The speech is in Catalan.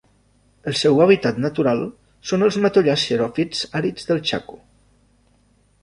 El seu hàbitat natural són els matollars xeròfits àrids del Chaco.